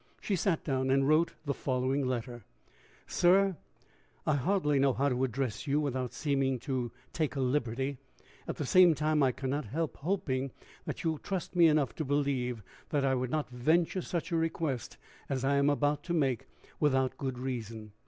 She sat down and wrote the following letter: "Sir: I hardly know how to address you without seeming to take a liberty; at the same time I can not help hoping you trust me enough to believe that I would not venture such a request as I am about to make, without good reason.